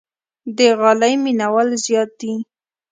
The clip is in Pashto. د غالۍ مینوال زیات دي.